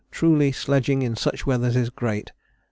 Truly sledging in such weather is great.